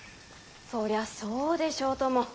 そりゃそうでしょうとも。